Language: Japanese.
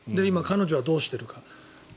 今、彼女はどうしているか。